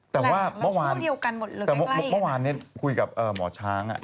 แต่ว่าเมื่อวานคุยกับหมอช้าง